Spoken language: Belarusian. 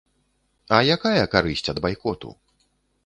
А якая карысць ад байкоту?